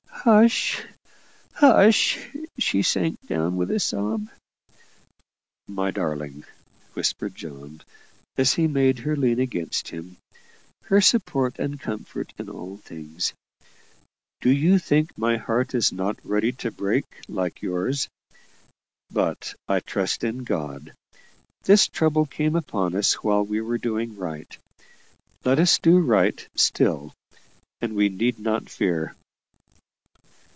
"Hush! hush!" She sank down with a sob. "My darling!" whispered John, as he made her lean against him her support and comfort in all things: "do you think my heart is not ready to break, like yours? But I trust in God. This trouble came upon us while we were doing right; let us do right still, and we need not fear.